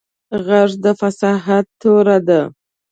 غږ د فصاحت توره ده